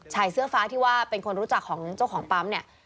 ชายเสื้อฟ้าที่ว่าเป็นคนรู้จักของเจ้าของปั๊มเนี่ย